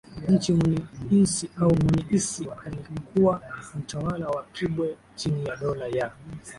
nchi Mwenye Insi au Mwenye Isi aliyekuwa mtawala wa Kibwe chini ya Dola ya